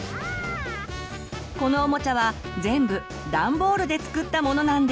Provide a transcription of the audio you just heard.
このおもちゃは全部ダンボールで作ったものなんです。